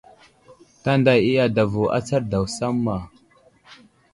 Tanday i adavo atsar daw samma.